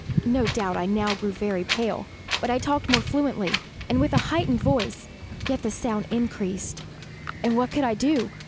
No doubt I now grew very pale; but I talked more fluently, and with a heightened voice. Yet the sound increased and what could I do?